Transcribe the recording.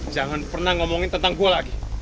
jangan pernah ngomongin tentang gue lagi